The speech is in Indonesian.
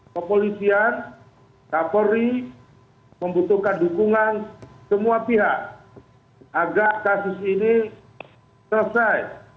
kepolisian kapolri membutuhkan dukungan semua pihak agar kasus ini selesai